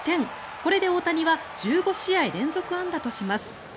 これで大谷は１５試合連続安打とします。